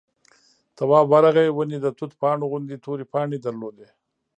تواب ورغی ونې د توت پاڼو غوندې تورې پاڼې درلودې.